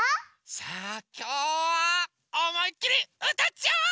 さあきょうはおもいっきりうたっちゃおう！